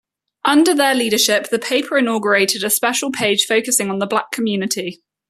Under their leadership, the paper inaugurated a special page focusing on the black community.